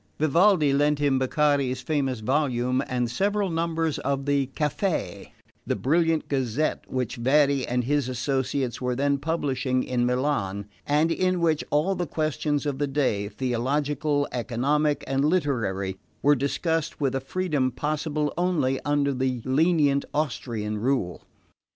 Vivaldi lent him Beccaria's famous volume and several numbers of the "Caffe," the brilliant gazette which Verri and his associates were then publishing in Milan, and in which all the questions of the day, theological, economic and literary, were discussed with a freedom possible only under the lenient Austrian rule.